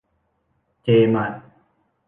เจ มาร์ท